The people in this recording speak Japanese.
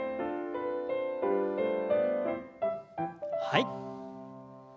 はい。